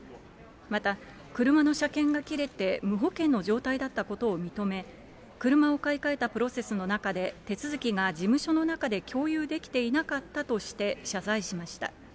また、車の車検が切れて、無保険の状態だったことを認め、車を買い替えたプロセスの中で、手続きが事務所の中で共有できていなかったとして、謝罪しました。